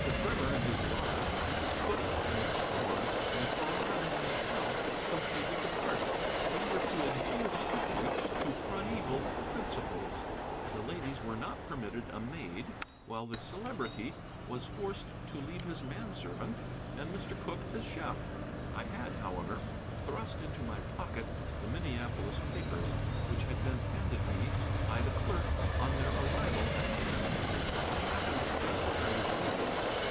Trevor and his daughter, Mrs. Cooke and Miss Thorn, and Farrar and myself completed the party. We were to adhere strictly to primeval principles: the ladies were not permitted a maid, while the Celebrity was forced to leave his manservant, and Mr. Cooke his chef. I had, however, thrust into my pocket the Minneapolis papers, which had been handed me by the clerk on their arrival at the inn, which happened just as I was leaving.